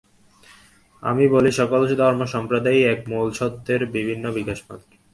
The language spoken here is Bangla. আমি বলি, সকল ধর্মসম্প্রদায়ই এক মূল সত্যের বিভিন্ন বিকাশমাত্র।